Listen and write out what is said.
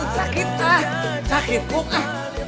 sakit ah sakit kum